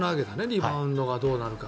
リバウンドがどうなるか。